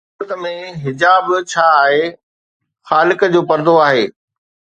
ٻي صورت ۾، حجاب ڇا آهي خالق جو پردو آهي